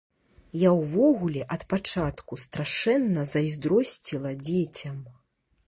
Я ўвогуле ад пачатку страшэнна зайздросціла дзецям.